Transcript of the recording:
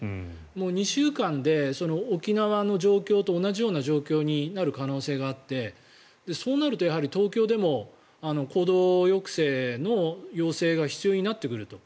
もう２週間で沖縄の状況と同じような状況になる可能性があってそうなるとやはり東京でも行動抑制の要請が必要になってくると。